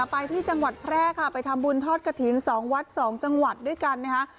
ไปที่จังหวัดแพร่ค่ะไปทำบุญทอดกระถิ่น๒วัด๒จังหวัดด้วยกันนะคะ